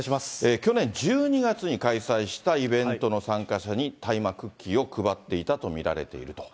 去年１２月に開催したイベントの参加者に大麻クッキーを配っていたと見られていると。